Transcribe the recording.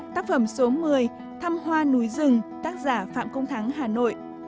tác phẩm số một mươi thăm hoa núi rừng tác giả phạm công thắng hà nội